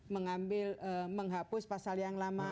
mengambil menghapus pasal yang lama